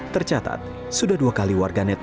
tercatat sudah dua kali warganet